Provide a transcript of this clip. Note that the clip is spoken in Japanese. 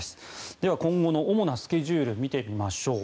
では今後の主なスケジュールを見てみましょう。